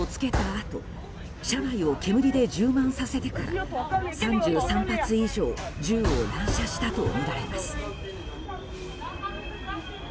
あと車内を煙で充満させてから３３発以上銃を乱射したとみられます。